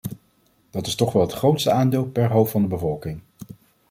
Dat is toch wel het grootste aandeel per hoofd van bevolking.